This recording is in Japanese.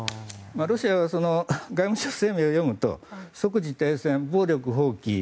ロシアは外務省声明を読むと即時停戦、暴力放棄